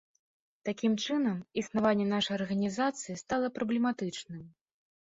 Такім чынам, існаванне нашай арганізацыі стала праблематычным.